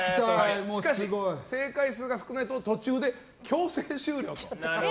しかし正解数が少ないと途中で強制終了と。